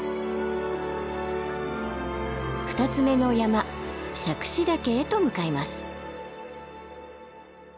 ２つ目の山杓子岳へと向かいます。